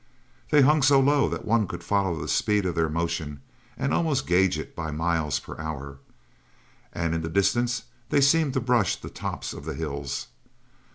They hung so low that one could follow the speed of their motion and almost gauge it by miles per hour. And in the distance they seemed to brush the tops of the hills.